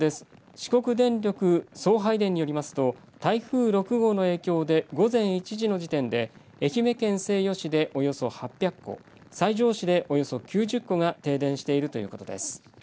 四国電力送配電によりますと台風６号の影響で午前１時の時点で愛媛県西予市でおよそ８００戸西条市でおよそ９０戸が停電しているということです。